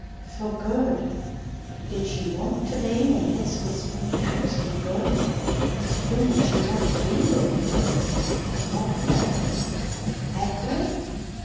'For good.' Did she want to be in this whispering house for good? Who did she want to be with for good? Not Reddin. Edward?